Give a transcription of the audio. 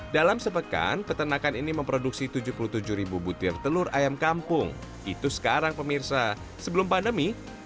dalam sepekan peternakan ini memproduksi tujuh puluh tujuh ribu butir telur ayam